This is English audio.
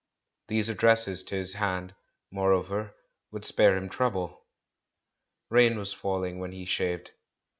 These addresses to his hand, moreover, would spare him trouble. Rain was falling when he shaved.